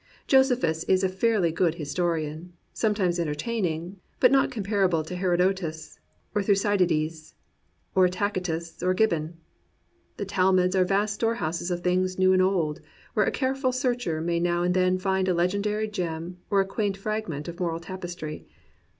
Josephus is a fairly good historian, sometimes entertaining, but not comparable to Herodotus or Thucydides or Tacitus or Gibbon. The Talmuds are vast storehouses of things new and old, where a careful searcher may now and then find a legendary gem or a quaint fragment of moral tapestry.